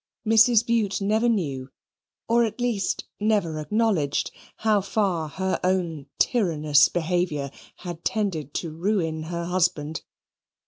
Mrs. Bute never knew, or at least never acknowledged, how far her own tyrannous behaviour had tended to ruin her husband.